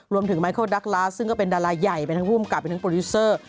ไมโครดักลาสซึ่งก็เป็นดาราใหญ่ไปทั้งภูมิกับเป็นทั้งโปรดิวเซอร์